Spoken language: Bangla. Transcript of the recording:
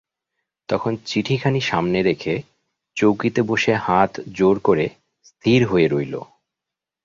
তখন চিঠিখানি সামনে রেখে চৌকিতে বসে হাত জোড় করে স্থির হয়ে রইল।